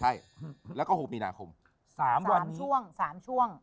โหลดแล้วคุณราคาโหลดแล้วยัง